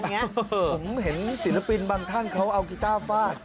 ผมเห็นศิลปินบางท่านเขาเอากีต้าฟาด